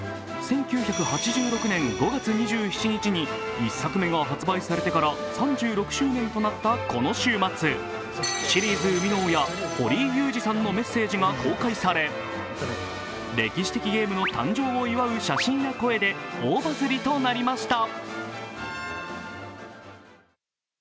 １９８６年５月２７日に１作目が発売されてから３６周年となったこの週末、シリーズ生みの親、堀井雄二さんのメッセージが公開され歴史的ゲームの誕生を祝う写真や声で大バズりとなりました。